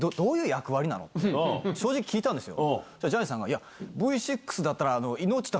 正直に聞いたんですよ。